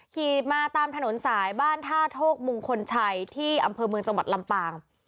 ขี่มาตามถนนสายบ้านท่าโทกมงคลชัยที่อำเภอเมืองจังหวัดลำปาง